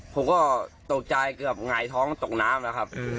ผมก็ตกใจเกือบหงายท้องตกน้ำแล้วครับ